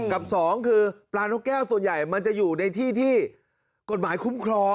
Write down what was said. กับสองคือปลานกแก้วส่วนใหญ่มันจะอยู่ในที่ที่กฎหมายคุ้มครอง